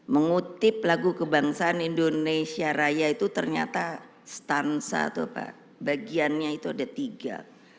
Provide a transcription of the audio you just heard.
mengutip lagu kebangsaan indonesia raya itu ternyata stansa atau bagiannya itu ada tiga